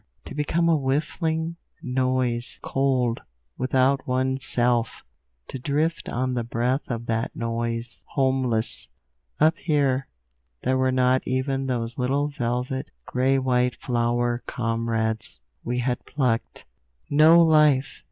To become a whiffling noise, cold, without one's self! To drift on the breath of that noise, homeless! Up here, there were not even those little velvet, grey white flower comrades we had plucked. No life!